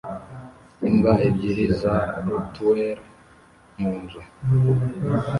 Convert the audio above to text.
Imbwa ebyiri za rottweiler mu nzu